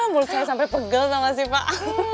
mulut saya sampai pegel sama si pak